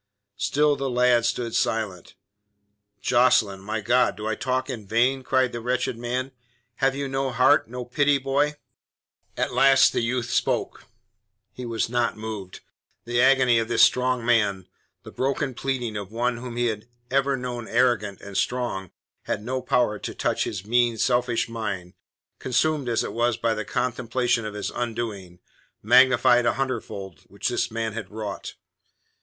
Still the lad stood silent. "Jocelyn! My God, do I talk in vain?" cried the wretched man. "Have you no heart, no pity, boy?" At last the youth spoke. He was not moved. The agony of this strong man, the broken pleading of one whom he had ever known arrogant and strong had no power to touch his mean, selfish mind, consumed as it was by the contemplation of his undoing magnified a hundredfold which this man had wrought.